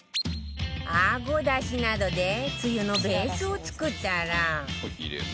アゴだしなどでつゆのベースを作ったら